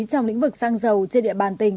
trong lĩnh vực xăng dầu trên địa bàn tỉnh